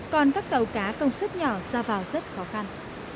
còn các tàu cá công suất nhỏ ra vào rất khó khăn